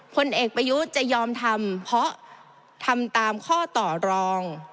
ผลเอกประยุทธ์จะยอมทำเพราะทำตามข้อต่อรอง